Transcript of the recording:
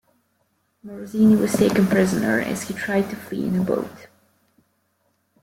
Morosini was taken prisoner as he tried to flee in a boat.